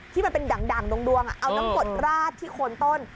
ที่มันเป็นด่างดวงเอาน้ำกดราดที่โคนต้น